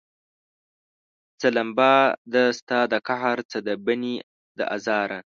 څه لمبه ده ستا د قهر، څه د بني د ازاره